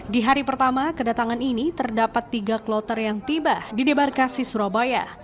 di hari pertama kedatangan ini terdapat tiga kloter yang tiba di debarkasi surabaya